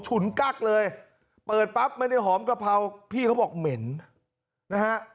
ฉุนกั๊กเลยเปิดปั๊บไม่ได้หอมกะเพราพี่เขาบอกเหม็นนะฮะ